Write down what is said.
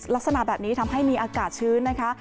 ลักษณะแบบนี้ทำให้มีอากาศชื้นนะคะ